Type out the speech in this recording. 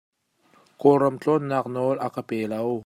Kawlram tlawnnak nawl a ka pe lo.